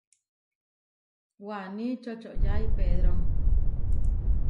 Waní čočoyái Pedró.